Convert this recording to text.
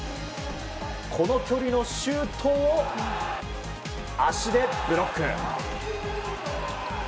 この距離のシュートを足でブロック。